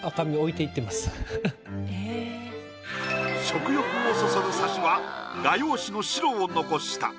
食欲をそそるサシは画用紙の白を残した。